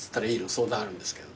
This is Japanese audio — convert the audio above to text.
「相談あるんですけど」